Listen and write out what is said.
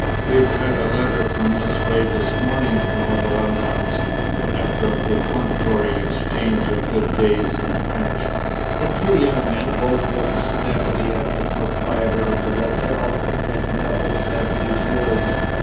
"We've had a letter from Miss Ray this morning," Nevill announced, after a perfunctory exchange of "good days" in French. The two young men both looked steadily at the proprietor of the hotel, as Nevill said these words.